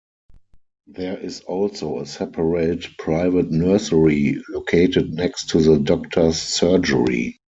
There is also a separate private nursery located next to the Doctor's Surgery.